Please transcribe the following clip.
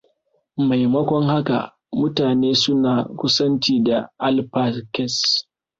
Maimakon haka, mutane suna kusanci da alpacas.